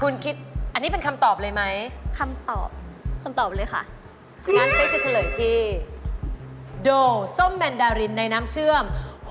งั้นเป๊จะเฉลยที่โดวส้มแมนดาลินในน้ำเชื่อม